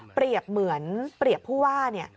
เปรียบเหมือนผู้ว่า